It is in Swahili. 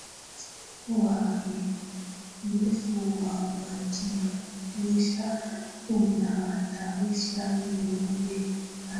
Uharibifu wa mazingira unahatarisha viumbe hai